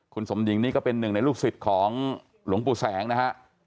คุณสมหญิงนี่ก็เป็นหนึ่งในลูกศิษย์ของหลวงปู่แสงนะฮะ